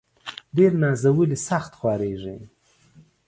ډير نازولي ، سخت خوارېږي.